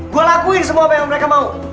gue lakuin semua apa yang mereka mau